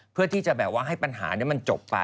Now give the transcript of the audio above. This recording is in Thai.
เพื่อที่จะแบบว่าให้ปัญหานี้มันจบไป